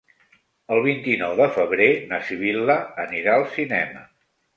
El vint-i-nou de febrer na Sibil·la anirà al cinema.